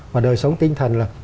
và đời sống tinh thần là